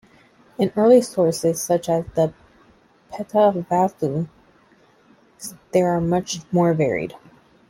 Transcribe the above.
In early sources such as the "Petavatthu", they are much more varied.